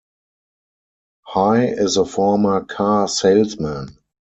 Hie is a former car salesman.